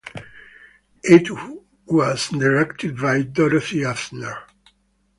It was directed by Dorothy Arzner.